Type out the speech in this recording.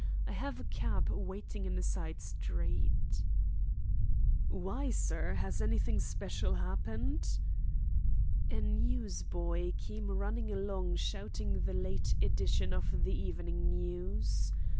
I have a cab waiting in a side street." "Why, sir, has anything special happened?" A newsboy came running along shouting the late edition of the Evening News.